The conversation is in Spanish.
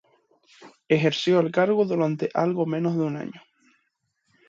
Ejerció el cargo durante algo menos de un año.